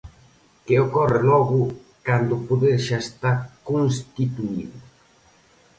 Que ocorre, logo, cando o poder xa está constituído?